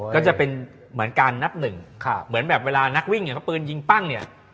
ก็จะเป็นเหมือนการนับหนึ่งเหมือนแบบเวลานักวิ่งอย่างเขาปืนยิงปั้งเนี่ย